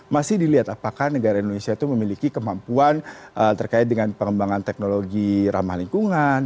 masih dilihat apakah negara indonesia itu memiliki kemampuan terkait dengan pengembangan teknologi ramah lingkungan